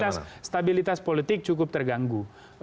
dan stabilitas politik cukup terganggu